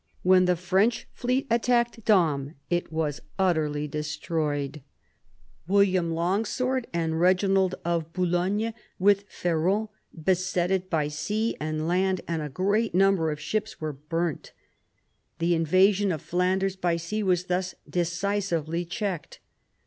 When the French fleet attacked Dam it was utterly destroyed. iv BOUVINES 97 William Longsword and Eeginald of Boulogne, with Ferrand, beset it by sea and land, and a great number of ships were burnt. The invasion of Flanders by sea was thus decisively checked.